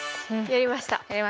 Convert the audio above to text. やりました。